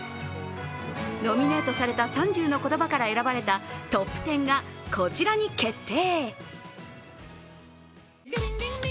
ノミネートされた３０の言葉から選ばれたトップテンがこちらに決定！